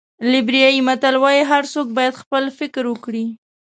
د لېبریا متل وایي هر څوک باید خپل فکر وکړي.